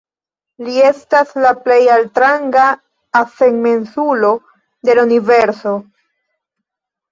Li estas la plej altranga azenmensulo de la universo.